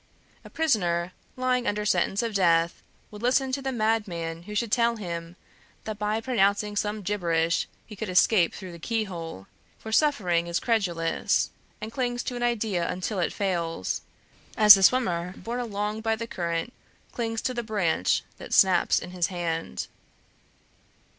A prisoner lying under sentence of death would listen to the madman who should tell him that by pronouncing some gibberish he could escape through the keyhole; for suffering is credulous, and clings to an idea until it fails, as the swimmer borne along by the current clings to the branch that snaps in his hand.